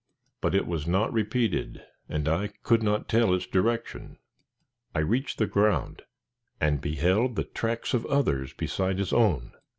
But it was not repeated, and I could not tell its direction. I reached the ground, and beheld the tracks of others beside his own.